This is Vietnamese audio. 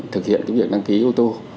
thực hiện cái việc đăng ký ô tô